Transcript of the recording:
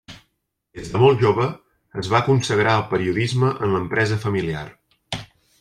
Des de molt jove es va consagrar al periodisme en l'empresa familiar.